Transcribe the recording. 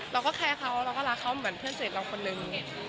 เราก็แคร์เค้าแล้วก็ลาเค้าเหมือนเพื่อนเศรษฐ์เราคนหนึ่ง